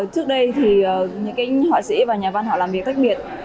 trước đây thì những cái họa sĩ và nhà văn họ làm việc khác biệt